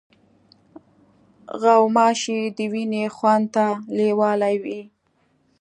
غوماشې د وینې خوند ته لیوالې وي.